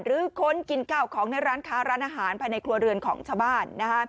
ค้นกินข้าวของในร้านค้าร้านอาหารภายในครัวเรือนของชาวบ้าน